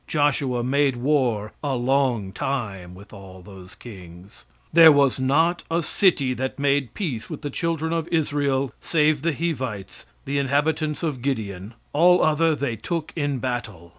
"Joshua made war a long time with all those kings. "There was not a city that made peace with the children of Israel, save the Hivites, the inhabitants of Gideon; all other they took in battle.